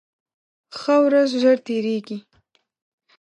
ښه ورځ ژر تېرېږي